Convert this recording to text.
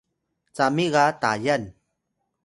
cami ga Tayal